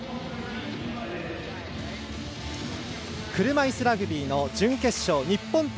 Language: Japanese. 車いすラグビーの準決勝日本対